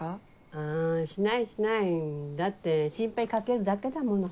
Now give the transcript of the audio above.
あしないしないだって心配かけるだけだもの。